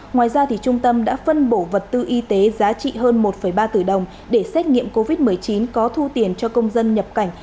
ngoài ra trung tâm đã phân bổ vật tư y tế giá trị hơn một ba tỷ đồng để xét nghiệm covid một mươi chín có thu tiền cho công dân nhập cảnh